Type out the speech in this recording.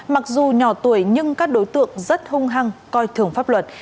mặc dù nhỏ tuổi nhưng các đối tượng rất hung hăng coi thường pháp luật